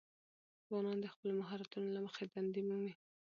ځوانان د خپلو مهارتونو له مخې دندې مومي.